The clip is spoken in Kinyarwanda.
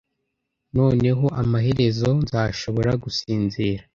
Noneho amaherezo nzashobora gusinzira